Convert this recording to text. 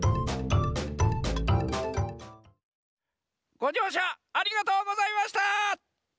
ごじょうしゃありがとうございました！